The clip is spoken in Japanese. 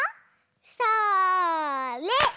それ！